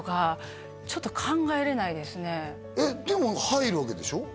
でも入るわけでしょ？